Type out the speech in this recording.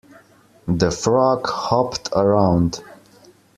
The frog hopped around.